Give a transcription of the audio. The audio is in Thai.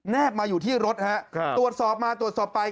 มาอยู่ที่รถฮะตรวจสอบมาตรวจสอบไป